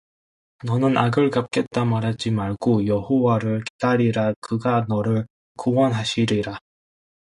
너는 악을 갚겠다 말하지 말고 여호와를 기다리라 그가 너를 구원하시리라